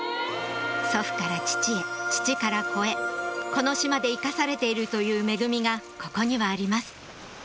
祖父から父へ父から子へこの島で生かされているという恵みがここにはあります